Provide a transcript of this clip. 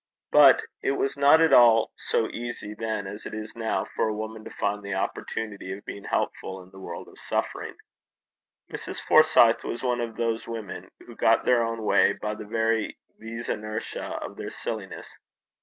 But it was not at all so easy then as it is now for a woman to find the opportunity of being helpful in the world of suffering. Mrs. Forsyth was one of those women who get their own way by the very vis inertiae of their silliness.